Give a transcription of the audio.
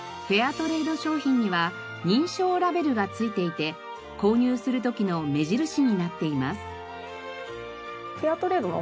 トレード商品には認証ラベルが付いていて購入する時の目印になっています。